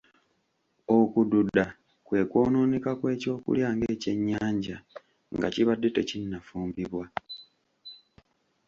Okududa kwe kwonooneka kw’ekyokulya ng’ekyennyanja nga kibadde tekinnafumbibwa.